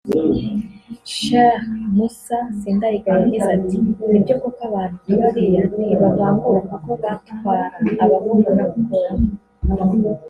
Sheikh Musa Sindayigaya yagize ati “Nibyo koko abantu nka bariya ntibavangura kuko batwara abahungu n’abakobwa